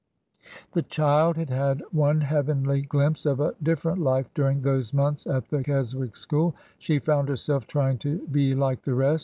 The child had had one heavenly glimpse of a different life during those months at the Keswick school. She found herself trying to be like the rest.